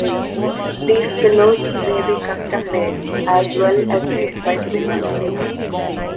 These pillows may be custom made, as well as made by freelancers.